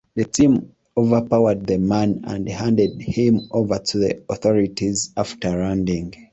The team overpowered the man and handed him over to the authorities after landing.